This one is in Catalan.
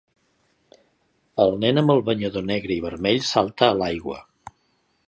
El nen amb el banyador negre i vermell salta a l'aigua.